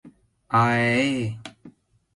Аа-э...